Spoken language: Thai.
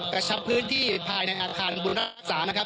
กระชับพื้นที่ภายในอาคารบุญรักษานะครับ